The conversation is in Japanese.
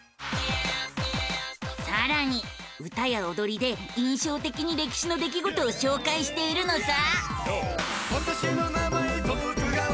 さらに歌やおどりで印象的に歴史の出来事を紹介しているのさ！